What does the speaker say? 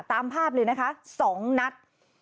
ตามภาพเลยนะคะ๒นัด